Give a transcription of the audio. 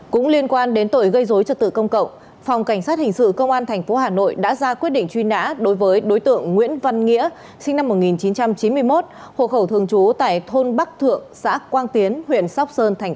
cũng liên quan đến tội gây dối trật tự công cộng phòng cảnh sát hình sự công an tp hà nội đã ra quyết định truy nã đối với đối tượng nguyễn văn nghĩa sinh năm một nghìn chín trăm chín mươi một hộ khẩu thường trú tại thôn bắc thượng xã quang tiến huyện sóc sơn thành